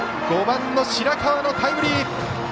５番の白川のタイムリー！